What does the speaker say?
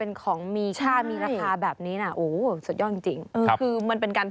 โอ้โฮจากขี้เลื่อยนะ